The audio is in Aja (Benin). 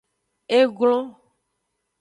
E glon.